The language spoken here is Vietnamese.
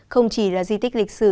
không chỉ là di tích lịch sử